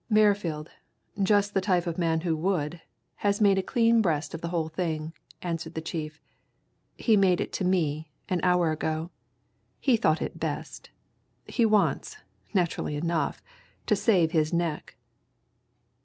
"Merrifield just the type of man who would! has made a clean breast of the whole thing," answered the chief. "He made it to me an hour ago. He thought it best. He wants naturally enough to save his neck."